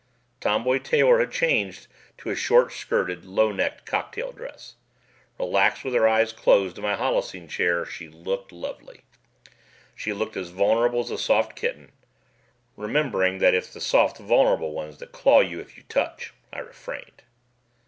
Tomboy Taylor had changed to a short skirted, low necked cocktail dress; relaxed with her eyes closed in my halluscene chair she looked lovely. She looked as vulnerable as a soft kitten. Remembering that it's the soft vulnerable ones that claw you if you touch, I refrained.